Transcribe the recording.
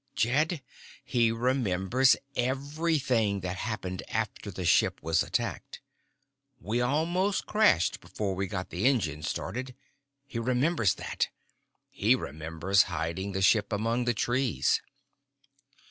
"Jed, he remembers everything that happened after the ship was attacked. We almost crashed before we got the engines started. He remembers that. He remembers hiding the ship among the trees."